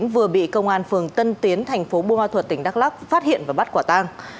vừa bị công an phường tân tiến tp bua ma thuật tỉnh đắk lắk phát hiện và bắt quả tàng